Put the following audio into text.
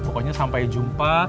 pokoknya sampai jumpa